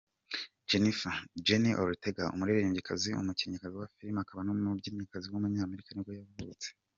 Jeannie Ortega, umuririmbyikazi, umukinnyikazi wa film akaba n’umubyinnyikazi w’umunyamerika nibwo yavutse.